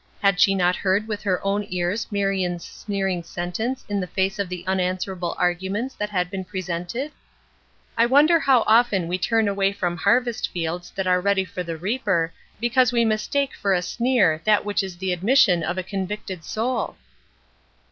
Had she not heard with her own ears Marion's sneering sentence in the face of the unanswerable arguments that had been presented?" I wonder how often we turn away from harvest fields that are ready for the reader because we mistake for a sneer that which is the admission of a convicted soul?